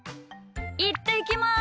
いってきます！